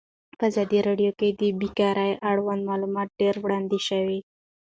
په ازادي راډیو کې د بیکاري اړوند معلومات ډېر وړاندې شوي.